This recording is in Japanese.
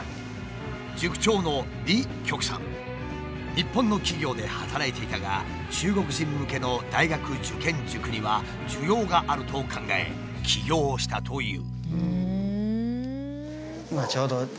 日本の企業で働いていたが中国人向けの大学受験塾には需要があると考え起業したという。